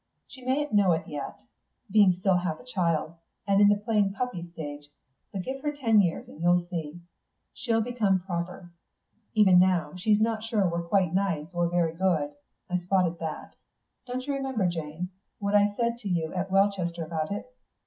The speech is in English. She mayn't know it yet, being still half a child, and in the playing puppy stage, but give her ten years and you'll see. She'll become proper. Even now, she's not sure we're quite nice or very good. I spotted that.... Don't you remember, Jane, what I said to you at Welchester about it?